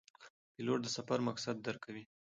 پیلوټ د سفر مقصد درک کوي.